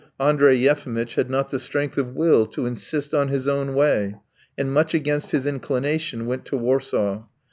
Andrey Yefimitch had not the strength of will to insist on his own way, and much against his inclination went to Warsaw.